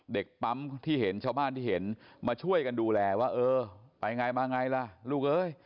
เด็กปั๊มที่เห็นชาวบ้านที่เห็นมาช่วยกันดูแลว่าเออไปไงมาไงล่ะลูกเอ้ย